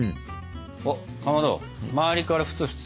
おっかまど周りからフツフツ。